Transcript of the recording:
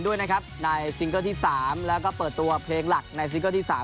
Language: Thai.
ด้วยนะครับในซิงเกิลที่๓แล้วก็เปิดตัวเพลงหลักในซิงเกิลที่๓